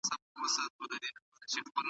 هغه د ګډو ارزښتونو خبره کوي.